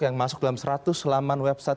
yang masuk dalam seratus laman website